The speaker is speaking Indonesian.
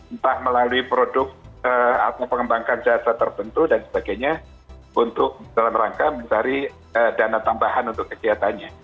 entah melalui produk atau pengembangan jasa terbentuk dan sebagainya untuk dalam rangka mencari dana tambahan untuk kegiatannya